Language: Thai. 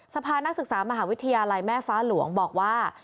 สภานักศึกษามหาวิทยาลัยแม่ฟ้าหลวงบอกว่า